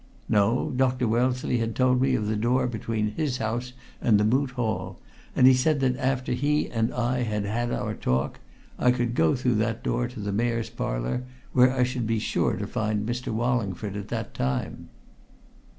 "No. Dr. Wellesley had told me of the door between his house and the Moot Hall, and he said that after he and I had had our talk I could go through that door to the Mayor's Parlour, where I should be sure to find Mr. Wallingford at that time."